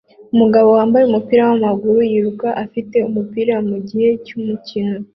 Umugabo wambaye umupira wamaguru yiruka afite umupira mugihe cyumukino